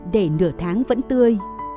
để nửa tháng vẫn tươi